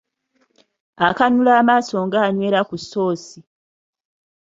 Akanula amaaso ng’anywera ku ssoosi.